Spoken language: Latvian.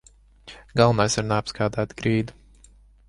Galvenais ir neapskādēt grīdu.